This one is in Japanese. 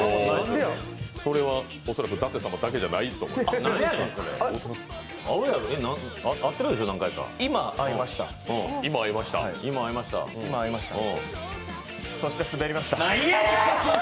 それは恐らく舘様だけじゃないと思いますよ。